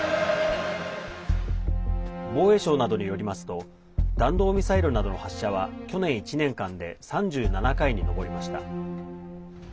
防衛省などによりますと弾道ミサイルなどの発射は去年１年間で３７回に上りました。